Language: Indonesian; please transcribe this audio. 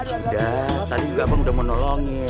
udah tadi juga bang udah mau nolongin